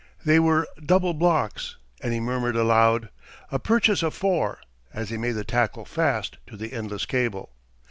They were double blocks, and he murmured aloud, "A purchase of four," as he made the tackle fast to the endless cable.